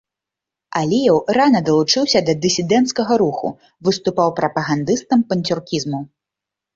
Аліеў рана далучыўся да дысідэнцкага руху, выступаў прапагандыстам панцюркізму.